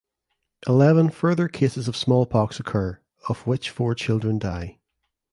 Eleven further cases of smallpox occur of which four children die.